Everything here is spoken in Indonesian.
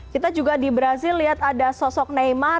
kita juga di brazil lihat ada sosok neymar